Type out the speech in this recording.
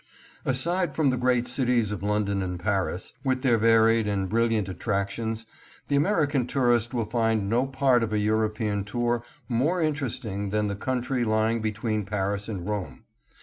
ASIDE from the great cities of London and Paris, with their varied and brilliant attractions, the American tourist will find no part of a European tour more interesting than the country lying between Paris and Rome.